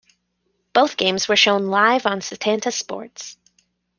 Both games were shown live on Setanta Sports.